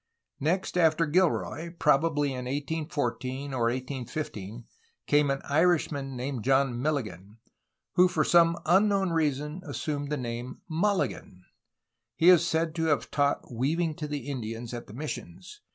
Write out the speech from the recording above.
Next after Gilroy, probably in 1814 or 1815, came an Irishman named John Milligan, who for some unknown reason assumed the name "Mulligan." He is said to have taught weaving to the Indians at the missions.